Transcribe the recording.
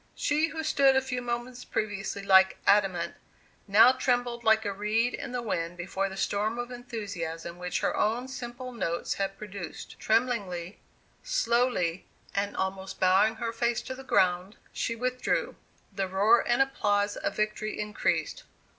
She who stood a few moments previous like adamant, now trembled like a reed in the wind before the storm of enthusiasm which her own simple notes had produced. Tremblingly, slowly, and almost bowing her face to the ground, she withdrew. The roar and applause of victory increased.